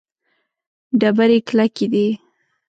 ډبرې کلکې دي.